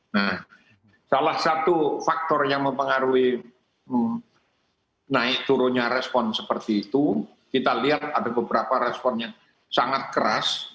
nah salah satu faktor yang mempengaruhi naik turunnya respon seperti itu kita lihat ada beberapa respon yang sangat keras